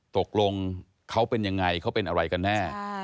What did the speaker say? ตกลงเขาเป็นยังไงเขาเป็นอะไรกันแน่